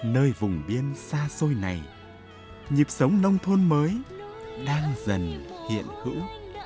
nơi vùng biên xa xôi này nhịp sống nông thôn mới đang dần hiện hữu